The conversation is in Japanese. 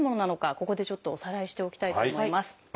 ここでちょっとおさらいしておきたいと思います。